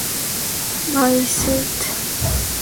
Bay St.